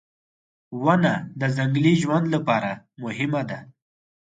• ونه د ځنګلي ژوند لپاره مهمه ده.